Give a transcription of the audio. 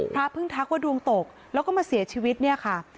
พระเพิ่งทักว่าดวงตกแล้วก็มาเสียชีวิตเนี่ยค่ะ